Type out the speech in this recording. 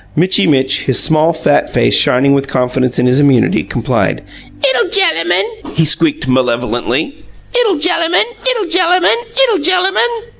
Mitchy Mitch, his small, fat face shining with confidence in his immunity, complied. "'Ittle gellamun!" he squeaked malevolently. "'Ittle gellamun! 'Ittle gellamun! 'Ittle gellamun!"